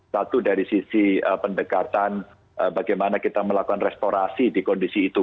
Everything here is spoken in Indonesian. satu dari sisi pendekatan bagaimana kita melakukan restorasi di kondisi itu